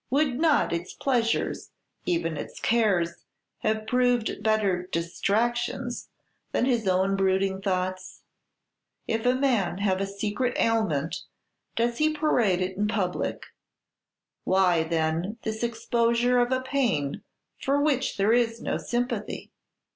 Would not its pleasures, even its cares, have proved better 'distractions' than his own brooding thoughts? If a man have a secret ailment, does he parade it in public? Why, then, this exposure of a pain for which there is no sympathy?